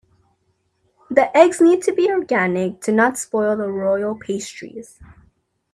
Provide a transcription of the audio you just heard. The eggs need to be organic to not spoil the royal pastries.